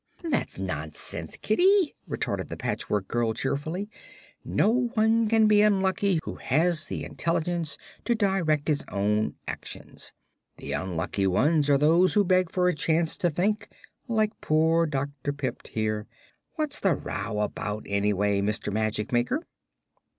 "That's nonsense, kiddie," retorted the Patchwork Girl cheerfully. "No one can be unlucky who has the intelligence to direct his own actions. The unlucky ones are those who beg for a chance to think, like poor Dr. Pipt here. What's the row about, anyway, Mr. Magic maker?"